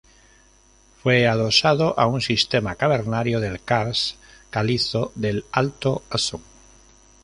Fue adosada a un sistema cavernario del karst calizo del Alto Asón.